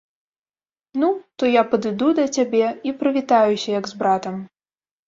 Ну, то я падыду да цябе і прывітаюся, як з братам.